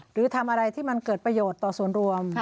หรือทำอะไรที่มันเกิดประโยชน์ต่อส่วนรวม